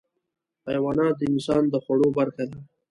حیوانات د انسان د خوړو برخه دي.